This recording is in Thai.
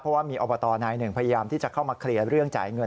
เพราะว่ามีอบตนายหนึ่งพยายามที่จะเข้ามาเคลียร์เรื่องจ่ายเงิน